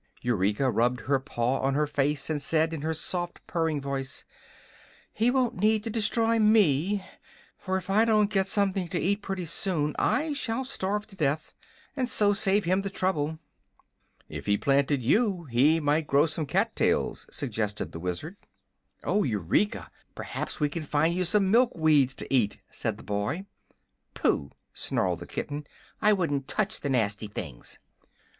Eureka rubbed her paw on her face and said in her soft, purring voice: "He won't need to destroy me, for if I don't get something to eat pretty soon I shall starve to death, and so save him the trouble." "If he planted you, he might grow some cat tails," suggested the Wizard. "Oh, Eureka! perhaps we can find you some milk weeds to eat," said the boy. "Phoo!" snarled the kitten; "I wouldn't touch the nasty things!"